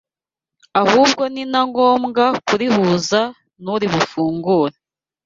ahubwo ni na ngombwa kurihuza n’uri burifungure